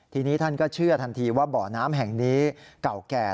ทีนี้ท่านก็เชื่อทันทีว่าบ่อน้ำแห่งนี้เก่าแก่